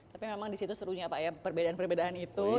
tapi memang di situ serunya pak ya perbedaan perbedaan itu